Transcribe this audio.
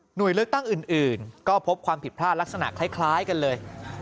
โดยเลือกตั้งอื่นก็พบความผิดพลาดลักษณะคล้ายกันเลย